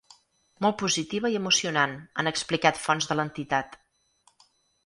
Molt positiva i emocionant, han explicat fonts de l’entitat.